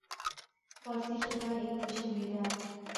فارسي ژبه علمي شوې ده.